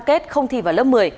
cảm kết không thi vào lớp một mươi